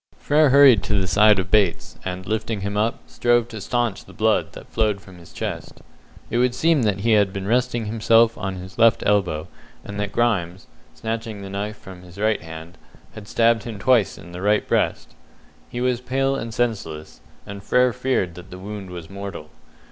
Frere hurried to the side of Bates, and lifting him up, strove to staunch the blood that flowed from his chest. It would seem that he had been resting himself on his left elbow, and that Grimes, snatching the knife from his right hand, had stabbed him twice in the right breast. He was pale and senseless, and Frere feared that the wound was mortal.